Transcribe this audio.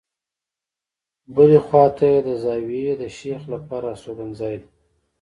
بلې خواته یې د زاویې د شیخ لپاره استوګنځای دی.